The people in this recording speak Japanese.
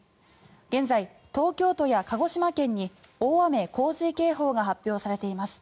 現在、東京都や鹿児島県に大雨・洪水警報が発表されています。